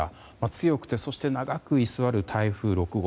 強くてそして長く居座る台風６号